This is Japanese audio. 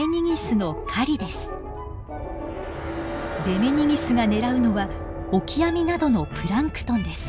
デメニギスが狙うのはオキアミなどのプランクトンです。